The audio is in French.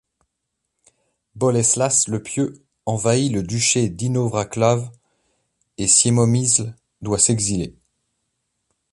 Boleslas le Pieux envahit le duché d’Inowrocław et Siemomysl doit s’exiler.